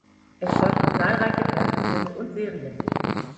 Es folgten zahlreiche Fernsehfilme und -serien.